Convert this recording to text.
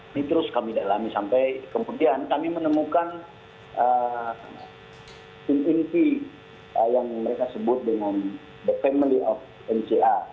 ini terus kami dalami sampai kemudian kami menemukan tim inti yang mereka sebut dengan the family of nca